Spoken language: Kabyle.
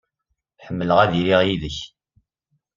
Ḥemmleɣ ad iliɣ yid-k.